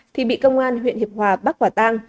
thì bị công an huyện hiệp hòa bắt quả tang